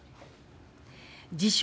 自称